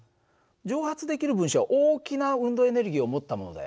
蒸発できる分子は大きな運動エネルギーを持ったものだよね。